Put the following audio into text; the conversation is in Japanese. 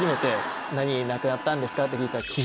「何なくなったんですか？」って聞いたら「金メダル」。